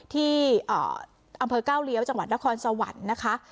ที่อำเภอก้าวเลี้ยวจังหวัดนครสวรรค์นะคะ